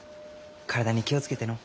体に気を付けてのう。